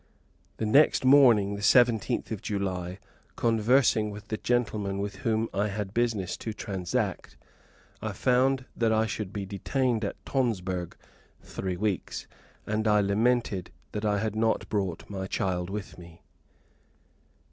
The next morning the 17th of July, conversing with the gentleman with whom I had business to transact, I found that I should be detained at Tonsberg three weeks, and I lamented that I had not brought my child with me.